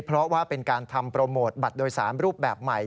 เพราะว่าเป็นการทำโปรโมทบัตรโดยสารรูปแบบใหม่